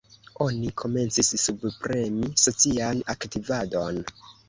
Oni komencis subpremi socian aktivadon.